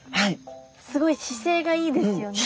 すごい姿勢がいいですよね。